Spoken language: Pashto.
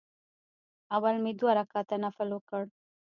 اول مې دوه رکعته نفل وکړ.